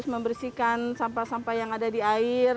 membersihkan sampah sampah yang ada di air